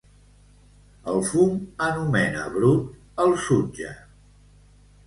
El fum anomena brut el sutge.